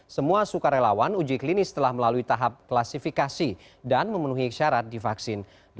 semua sukarelawan uji klinis telah melalui tahap klasifikasi dan memenuhi syarat divaksin